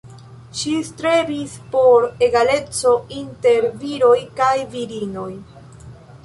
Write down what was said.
Ŝi strebis por egaleco inter viroj kaj virinoj.